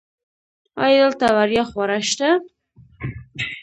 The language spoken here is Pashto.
ایا دلته وړیا خواړه شته؟